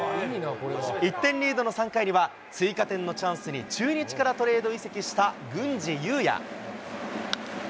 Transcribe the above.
１点リードの３回には、追加点のチャンスに中日からトレード移籍した郡司裕也。